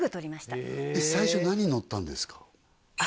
最初何乗ったんですか？